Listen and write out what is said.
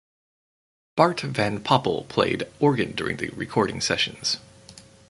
Bart Van Poppel played organ during the recording sessions.